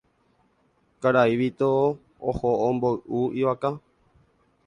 Karai Vito oho omboy'u ivaka.